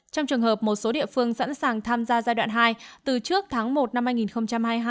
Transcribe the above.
trong trường hợp một số địa phương sẵn sàng tham gia giai đoạn hai từ trước tháng một năm hai nghìn hai mươi hai